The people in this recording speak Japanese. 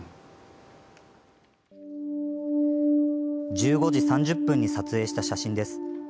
１５時３０分に撮影した写真です。